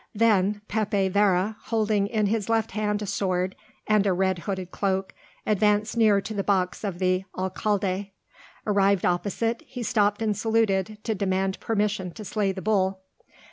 Then Pepe Vera, holding in his left hand a sword and a red hooded cloak, advanced near to the box of the alcalde. Arrived opposite, he stopped and saluted, to demand permission to slay the bull.